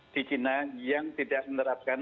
di china yang tidak menerapkan